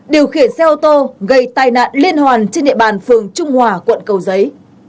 điều khiển xe ô tô gây tai nạn liên hoàn trên địa bàn phường trung hòa quận cầu giấy